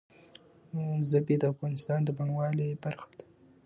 ژبې د افغانستان د بڼوالۍ برخه ده.